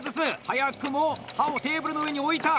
早くも刃をテーブルの上に置いた。